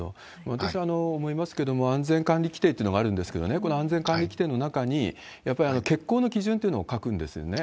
私は思いますけども、安全管理規定っていうのがあるんですけどね、この安全管理規程の中に、やっぱり欠航の基準っていうのを書くんですよね。